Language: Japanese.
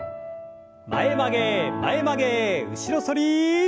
前曲げ前曲げ後ろ反り。